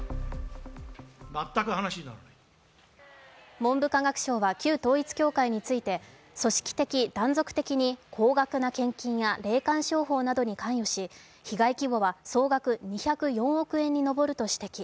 文部科学省は旧統一教会について組織的・継続的に高額な献金や霊感商法などに関与し、被害規模は総額２０４億円に上ると指摘。